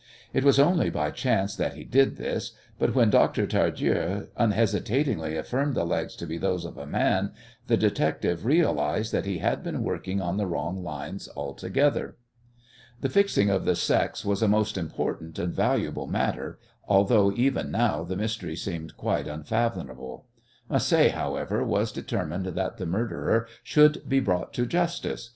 It was only by chance that he did this, but when Dr. Tardieu unhesitatingly affirmed the legs to be those of a man the detective realized that he had been working on the wrong lines altogether. The fixing of the sex was a most important and valuable matter, although even now the mystery seemed quite unfathomable. Macé, however, was determined that the murderer should be brought to justice.